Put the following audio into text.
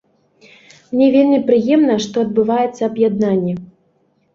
Мне вельмі прыемна, што адбываецца аб'яднанне.